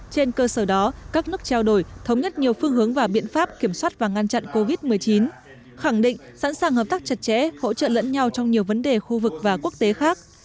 trên cơ sở đó các nước trao đổi thống nhất nhiều phương hướng và biện pháp kiểm soát và ngăn chặn covid một mươi chín khẳng định sẵn sàng hợp tác chặt chẽ hỗ trợ lẫn nhau trong nhiều vấn đề khu vực và quốc tế khác